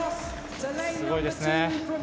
すごいですね。